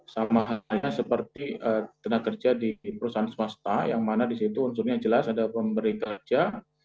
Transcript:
sama halnya seperti tenaga kerja di perusahaan swasta yang mana di situ unsurnya jelas ada pemberi kerja